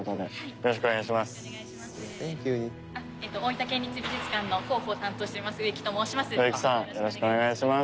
よろしくお願いします。